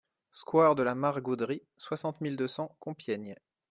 Square de la Mare-Gaudry, soixante mille deux cents Compiègne